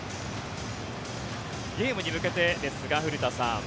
ゲームに向けてですが古田さん